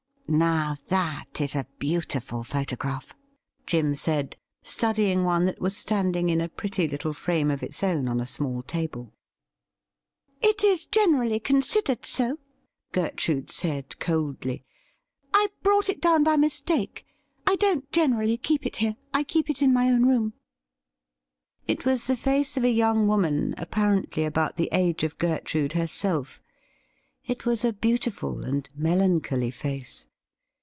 ' Now, that is a beautiful photograph,' Jim said, study ing one that was standing in a pretty little frame of its own on a small table. 'It is generally considered so,' Gtertrude said coldly. ' I brought it down by mistake ; I don't generally keep it here ; I keep it in my own room.' It was the face of a young woman apparently about the age of Gertrude herself. It was a beautiful and melan choly face.